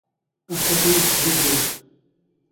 ⴰⵇⵇⴰ ⴽⵎ ⵜⴻⵜⵜⵊⵉⵊⵉⵡⴷ?